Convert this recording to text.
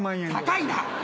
高いな！